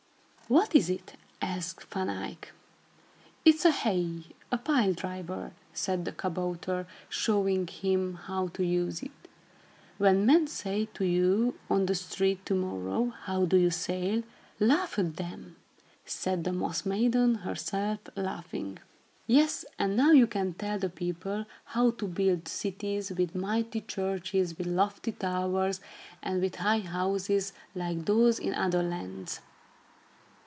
"What is it?" asked Van Eyck. "It's a Hey" (a pile driver), said the kabouter, showing him how to use it. "When men say to you, on the street, to morrow, 'How do you sail?' laugh at them," said the Moss Maiden, herself laughing. "Yes, and now you can tell the people how to build cities, with mighty churches with lofty towers, and with high houses like those in other lands.